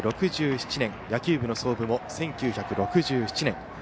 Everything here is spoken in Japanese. １９６７年野球部の創部も１９６７年。